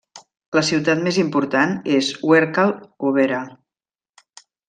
La ciutat més important és Huércal-Overa.